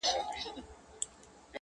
o خونه که مي وسوه، دېوالونه ئې پاخه سوه.